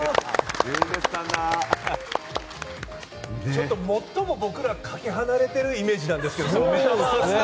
ちょっと、最も僕らかけ離れているイメージなんですけど。